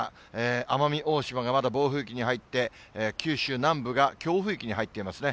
奄美大島がまだ暴風域に入って、九州南部が強風域に入っていますね。